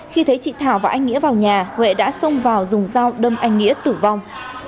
khi thấy chị thảo và anh nghĩa vào nhà huệ đã xông vào dùng dao đâm anh nghĩa tử vong